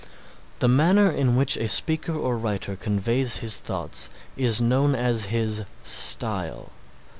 The manner in which a speaker or writer conveys his thoughts is known as his Style.